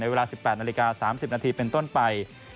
เวลา๑๘นาฬิกา๓๐นาทีเป็นต้นไป